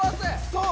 そう。